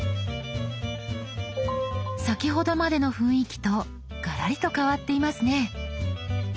先ほどまでの雰囲気とガラリと変わっていますね。